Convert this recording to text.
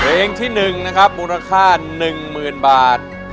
เพลงที่๑นะครับมูลค่า๑๐๐๐บาท